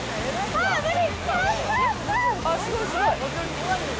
あー、無理！